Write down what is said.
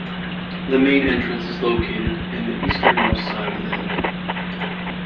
The main entrance is located in the easternmost side of the hill.